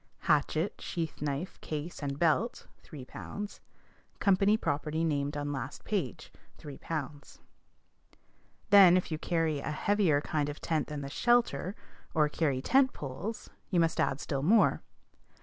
Hatchet, sheath knife, case, and belt 3 " Company property named on last page 3 " Then if you carry a heavier kind of tent than the "shelter," or carry tent poles, you must add still more.